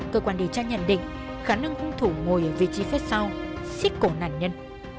cơ quan điều tra nhận định khán ứng thủ ngồi ở vị trí phía sau xích cổ nạn nhân